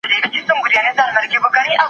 که پیسې نه وای نو غلام به نه و ازاد شوی.